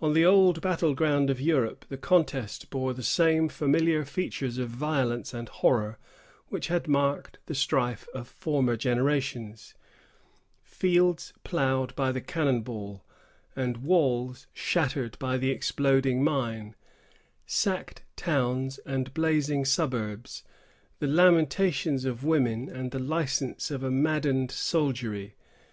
On the old battle ground of Europe, the contest bore the same familiar features of violence and horror which had marked the strife of former generations——fields ploughed by the cannon ball, and walls shattered by the exploding mine, sacked towns and blazing suburbs, the lamentations of women, and the license of a maddened soldiery.